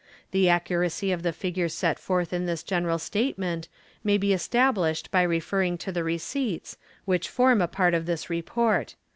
The accuracy of the figures set forth in this general statement may be established by referring to the receipts, which form a part of this report.